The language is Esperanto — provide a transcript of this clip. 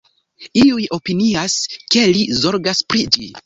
Iuj opinias, ke li zorgas pri ĝi.